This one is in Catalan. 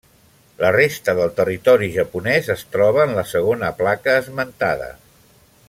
La resta del territori japonès es troba en la segona placa esmentada.